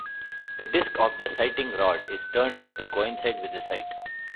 The disk of the sighting rod is turned up to coincide with the sight.